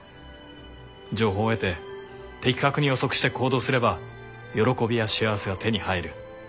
情報を得て的確に予測して行動すれば喜びや幸せは手に入る。